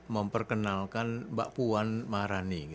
memperkenalkan mbak puan maharani